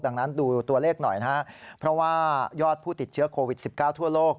ดังนั้นดูตัวเลขหน่อยนะครับเพราะว่ายอดผู้ติดเชื้อโควิด๑๙ทั่วโลก